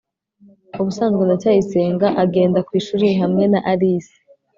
ubusanzwe ndacyayisenga agenda ku ishuri hamwe na alice